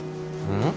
うん？